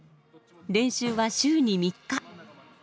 練習は週に３日。